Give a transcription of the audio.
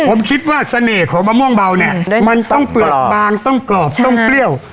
ผมคิดว่าเสน่ห์ของมะม่วงเบาเนี่ยมันต้องเปลือกบางต้องกรอบต้องเปรี้ยว